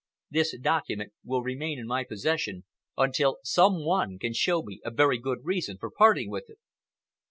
This document will remain in my possession until some one can show me a very good reason for parting with it."